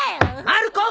まる子！